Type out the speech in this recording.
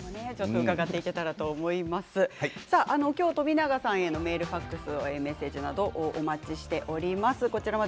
今日皆さんへのメールファックス、メッセージなどお待ちしています。